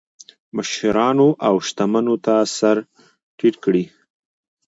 مشرانو او شتمنو ته سر ټیټ کړي.